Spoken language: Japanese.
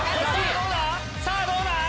さぁどうだ？